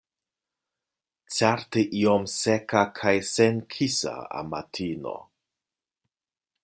Certe iom seka kaj senkisa amatino.